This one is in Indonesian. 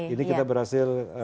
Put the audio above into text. ini kita berhasil laksanakan